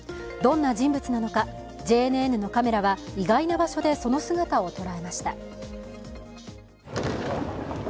どんな人物なのか、ＪＮＮのカメラは意外な場所でその姿を捉えました。